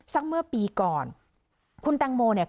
เมื่อปีก่อนคุณแตงโมเนี่ย